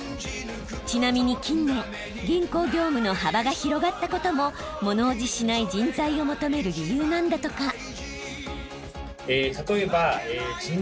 ちなみに近年銀行業務の幅が広がったことも物怖じしない人材を求める理由なんだとか。